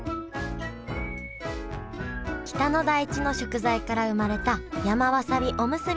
北の大地の食材から生まれた山わさびおむすび。